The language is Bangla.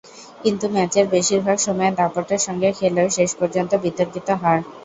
কিন্তু ম্যাচের বেশির ভাগ সময়ে দাপটের সঙ্গে খেলেও শেষ পর্যন্ত বিতর্কিত হার।